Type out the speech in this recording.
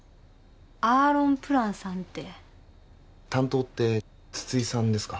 アーロンプランさんって担当って筒井さんですか？